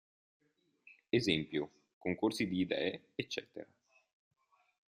Esempio: concorsi di idee, eccetera.